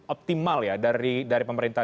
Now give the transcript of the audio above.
optimal ya dari pemerintah